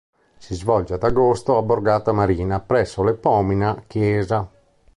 Si svolge ad agosto a Borgata Marina presso l'eponima chiesa.